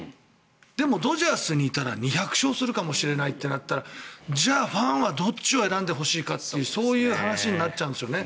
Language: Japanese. でもドジャースにいたら２００勝するかもしれないとなったらじゃあファンはどっちを選んでほしいかという話になっちゃうんですよね。